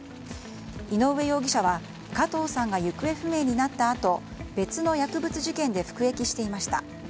井上容疑者は加藤さんが行方不明になったあと別の薬物事件で服役していました。